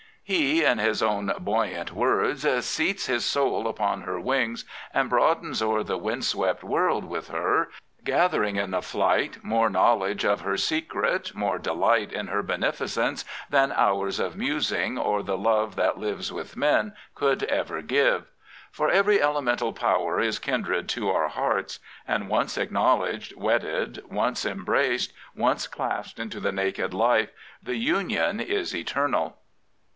He, in his own buoyant words, ... seats his soul upon her wings, And broadens o'er the windswept world With her, gathering in the flight More knowledge of her secret, more Delight in her beneficence. Than hours of musing, or the love That lives with men, could ever give. George Meredith For every elemental power Is kindred to our hearts, and once Acknowledged, wedded, once embraced, Once claspt into the naked life, The union is eternal.